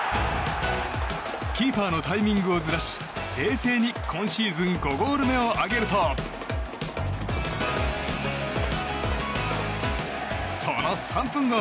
キーパーのタイミングをずらし冷静に今シーズン５ゴール目を挙げるとその３分後。